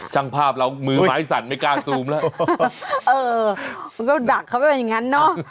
ช่างภาพเรามือไม้สั่นไม่กล้าซูมแล้วเออมันก็ดักเขาไปเป็นอย่างนั้นเนอะ